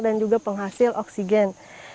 dan juga penghasil oksigen